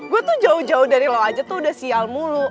gue tuh jauh jauh dari lo aja tuh udah sial mulu